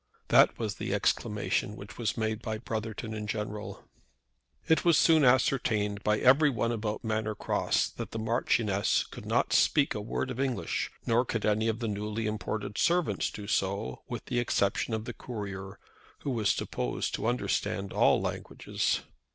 That was the exclamation which was made by Brotherton in general. It was soon ascertained by every one about Manor Cross that the Marchioness could not speak a word of English, nor could any of the newly imported servants do so with the exception of the courier, who was supposed to understand all languages.